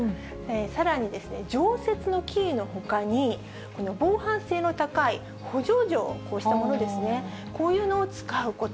さらに、常設のキーのほかに、防犯性の高い補助錠、こうしたものですね、こういうのを使うこと。